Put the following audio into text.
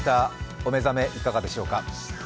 お目覚めいかがでしょう。